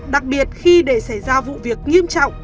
đặc biệt khi để xảy ra vụ việc nghiêm trọng